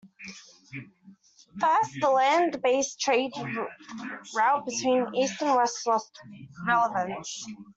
First, the land based trade route between east and west lost relevance.